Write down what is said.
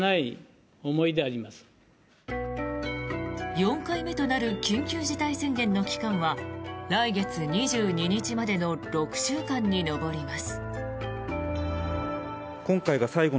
４回目となる緊急事態宣言の期間は来月２２日までの６週間に上ります。